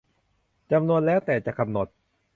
จำนวนแล้วแต่จะกำหนด